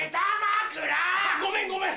ごめんごめん！